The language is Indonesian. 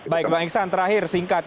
baik bang iksan terakhir singkat